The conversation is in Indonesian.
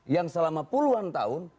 yang selama puluhan tahun